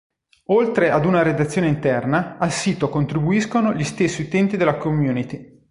Oltre ad una redazione interna, al sito contribuiscono gli stessi utenti della community.